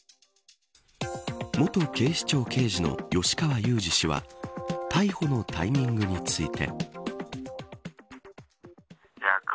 元警視庁刑事の吉川祐二氏は逮捕のタイミングについて。